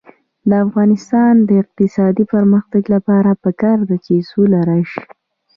د افغانستان د اقتصادي پرمختګ لپاره پکار ده چې سوله راشي.